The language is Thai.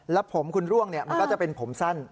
แล้วผมคุณร่วงมันก็จะเป็นผมสั้น